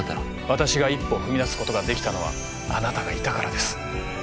私が一歩踏み出すことができたのはあなたがいたからです